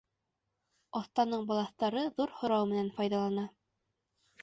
Оҫтаның балаҫтары ҙур һорау менән файҙалана.